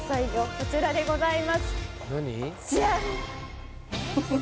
こちらでございますジャン！